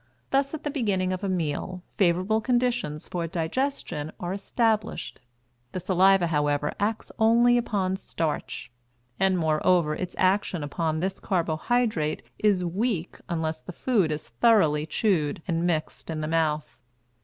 Thus, at the beginning of a meal, favorable conditions for digestion are established. The saliva, however, acts only upon starch; and, moreover, its action upon this carbohydrate is weak unless the food is thoroughly chewed and mixed in the mouth.